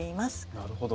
なるほど。